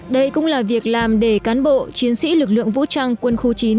đây cũng là việc làm để cán bộ chiến sĩ lực lượng vũ trang quân khu chín